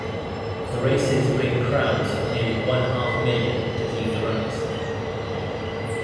The races bring crowds of nearly one half million to view the runners.